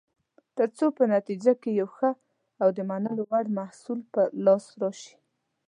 ترڅو په نتیجه کې یو ښه او د منلو وړ محصول په لاس راشي.